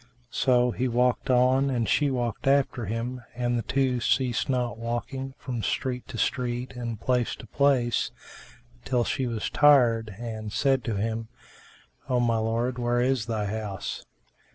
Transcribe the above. So he walked on and she walked after him, and the two ceased not walking from street to street and place to place, till she was tired and said to him, "O my lord, where is thy house?"